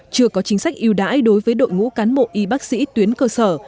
chưa có chính sách yêu đãi đối với đội ngũ cán bộ y bác sĩ tuyến cơ sở